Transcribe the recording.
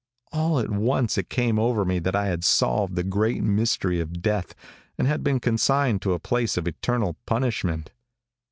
All at once it came over me that I had solved the great mystery of death, and had been consigned to a place of eternal punishment.